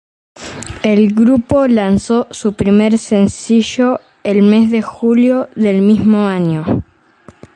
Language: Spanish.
El grupo lanzó su primer sencillo en el mes de julio del mismo año.